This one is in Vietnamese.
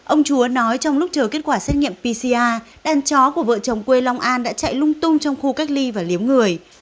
ông chúa nói trong lúc chờ kết quả xét nghiệm pcr đàn chó của vợ chồng quê long an đã chạy lung tung trong khu cách ly và liếu người